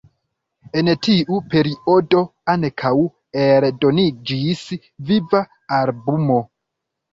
En tiu periodo ankaŭ eldoniĝis viva albumo.